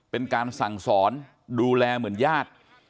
เป็นการสั่งสอนดูแลเหมือนญาติ